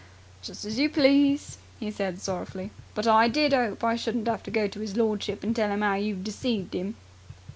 "Just as you please," he said sorrowfully. "But I did 'ope I shouldn't 'ave to go to 'is lordship and tell 'im 'ow you've deceived him."